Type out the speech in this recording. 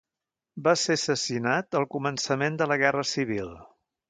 Va ser assassinat al començament de la Guerra civil.